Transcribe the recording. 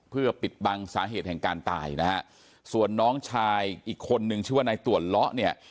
เพื่อปิดบังสาเหตุแห่งการตายนะฮะส่วนน้องชายอีกคนนึงชื่อว่านายต่วนเลาะเนี่ย